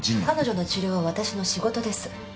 彼女の治療はわたしの仕事です。